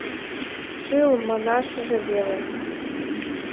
— Шыл манашыже веле...